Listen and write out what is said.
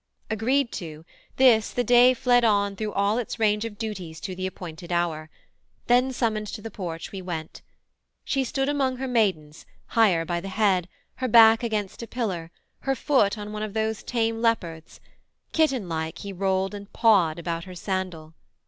Agreed to, this, the day fled on through all Its range of duties to the appointed hour. Then summoned to the porch we went. She stood Among her maidens, higher by the head, Her back against a pillar, her foot on one Of those tame leopards. Kittenlike he rolled And pawed about her sandal.